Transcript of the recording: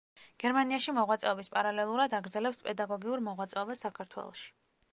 გერმანიაში მოღვაწეობის პარალელურად აგრძელებს პედაგოგიურ მოღვაწეობას საქართველოში.